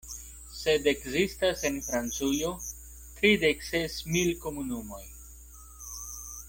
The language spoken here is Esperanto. Sed ekzistas en Francujo tridekses mil komunumoj.